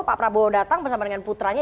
pak prabowo datang bersama dengan putranya